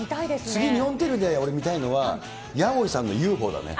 次、日本テレビで俺、見たいのはやおいさんのＵＦＯだね。